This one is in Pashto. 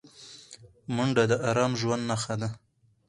منډه د ارام ژوند نښه ده